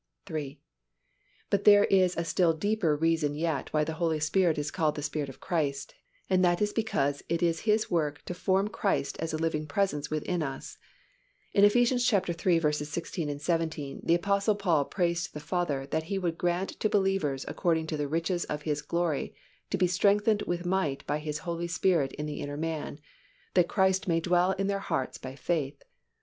(3) But there is a still deeper reason yet why the Holy Spirit is called the Spirit of Christ, and that is because it is His work to form Christ as a living presence within us. In Eph. iii. 16, 17, the Apostle Paul prays to the Father that He would grant to believers according to the riches of His glory to be strengthened with might by His Spirit in the inner man, that Christ may dwell in their hearts by faith.